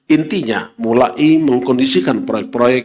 intinya mulai mengkondisikan proyek proyek